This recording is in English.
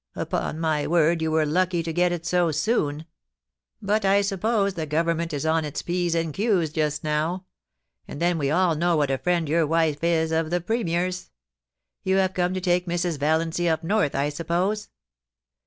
Upon my word, you were lucky to get it so soon ; but I suppose the Government is on AN INTERVIEW WITH SAMMY DEANS. 329 its p's and q's just now ; and then we all know what a friend your wife is of the Premier's. You have come to take Mrs. Valiancy up north, I suppose.'